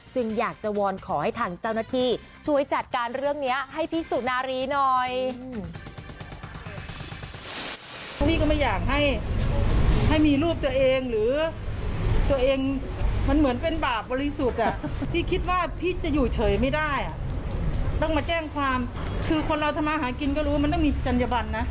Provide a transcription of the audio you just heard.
อยากจะวอนขอให้ทางเจ้าหน้าที่ช่วยจัดการเรื่องนี้ให้พี่สุนารีหน่อย